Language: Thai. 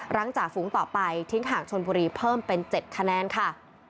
ฝ่าฝูงต่อไปทิ้งห่างชนบุรีเพิ่มเป็น๗คะแนนค่ะ